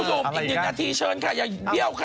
คุณโอมคุณโอมอีกนิดนาทีเชิญค่ะอย่าเยี่ยวค่ะ